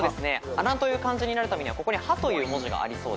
穴という漢字になるためにはここに「ハ」という文字がありそうです。